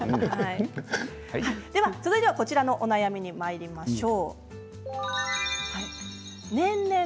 続いては、こちらのお悩みにまいりましょう。